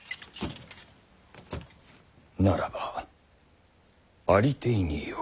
ならばありていに言おう。